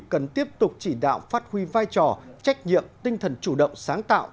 cần tiếp tục chỉ đạo phát huy vai trò trách nhiệm tinh thần chủ động sáng tạo